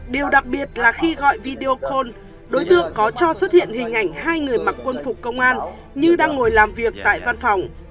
điều đặc biệt là khi gọi video call đối tượng có cho xuất hiện hình ảnh hai người mặc quân phục công an như đang ngồi làm việc tại văn phòng